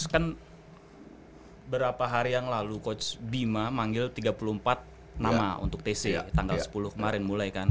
kan beberapa hari yang lalu coach bima manggil tiga puluh empat nama untuk tc tanggal sepuluh kemarin mulai kan